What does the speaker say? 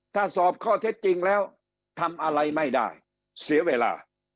ถ้าสอบข้อเท็จจริงแล้วทำอะไรไม่ได้เสียเวลา